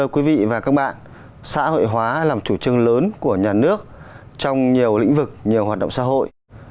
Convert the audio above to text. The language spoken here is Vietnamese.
quý vị và các bạn xã hội hóa làm chủ trương lớn của nhà nước trong nhiều lĩnh vực nhiều hoạt động xã hội